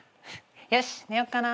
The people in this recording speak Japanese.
よし寝よっかな。